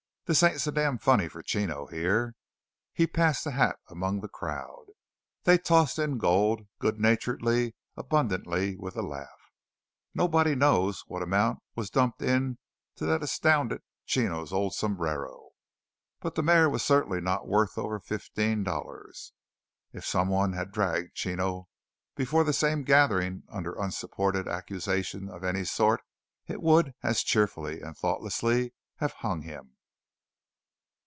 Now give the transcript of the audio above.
"This ain't so damn funny for Chino here!" He passed the hat among the crowd. They tossed in gold, good naturedly, abundantly, with a laugh. Nobody knows what amount was dumped into the astounded Chino's old sombrero; but the mare was certainly not worth over fifteen dollars. If some one had dragged Chino before that same gathering under unsupported accusation of any sort, it would as cheerfully and thoughtlessly have hung him.